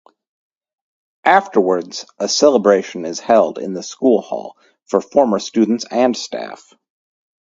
Afterwards a celebration is held in the School hall for former students and staff.